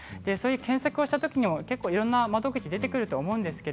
検索をしたときにもいろんな窓口が出てくると思います。